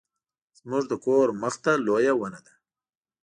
زموږ د کور مخې ته لویه ونه ده